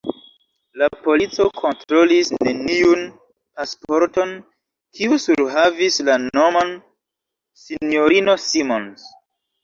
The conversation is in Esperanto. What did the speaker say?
La polico kontrolis neniun pasporton, kiu surhavis la nomon S-ino Simons.